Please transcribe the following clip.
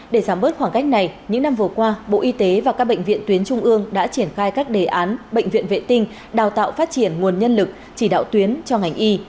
để giảm bớt khoảng cách này những năm vừa qua bộ y tế và các bệnh viện tuyến trung ương đã triển khai các đề án bệnh viện vệ tinh đào tạo phát triển nguồn nhân lực chỉ đạo tuyến cho ngành y